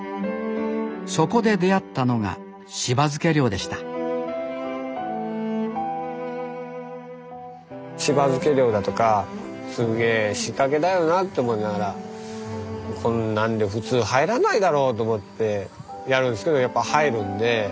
そこで出会ったのが柴漬け漁でした柴漬け漁だとかすげえ仕掛けだよなって思いながらこんなんで普通入らないだろうと思ってやるんですけどやっぱ入るんで。